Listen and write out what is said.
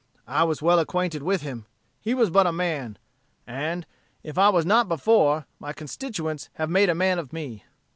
I was well acquainted with him. He was but a man; and, if I was not before, my constituents had made a man of me.